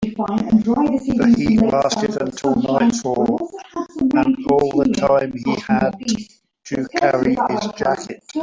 The heat lasted until nightfall, and all that time he had to carry his jacket.